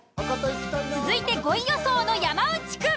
続いて５位予想の山内くん。